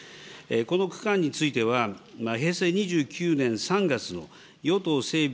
この区間については、平成２９年３月の与党整備